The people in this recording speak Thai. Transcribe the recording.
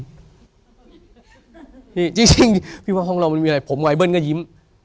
นี่จริงพี่ว่าห้องเราไม่มีอะไรผมวัยเบิ้ลก็ยิ้ม